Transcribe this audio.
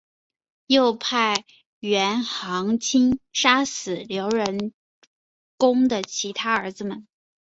又派元行钦杀死刘仁恭的其他儿子们。